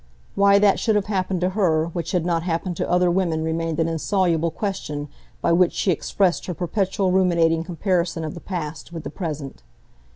Why that should have happened to her which had not happened to other women remained an insoluble question by which she expressed her perpetual ruminating comparison of the past with the present.